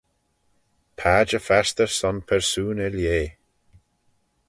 Padjer fastyr son persoon er lheh.